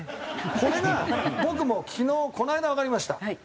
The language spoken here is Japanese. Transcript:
これが僕も昨日この間わかりました。